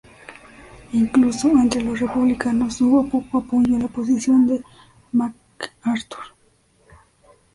Incluso entre los republicanos, hubo poco apoyo a la posición de MacArthur.